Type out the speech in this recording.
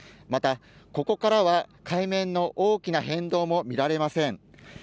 またここからは、海面の大きな変動も見られません